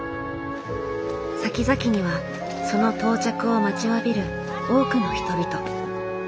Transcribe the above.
先々にはその到着を待ちわびる多くの人々。